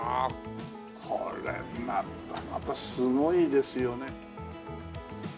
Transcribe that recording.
これまたまたすごいですよね。